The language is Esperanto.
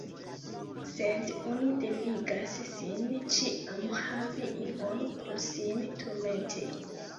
Sed oni devigas sin ĉiam havi ion por sin turmenti!